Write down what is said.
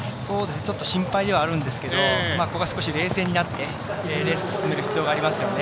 ちょっと心配ではあるんですけどここは少し冷静になってレース進める必要がありますよね。